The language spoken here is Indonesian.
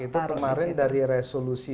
itu kemarin dari resolusi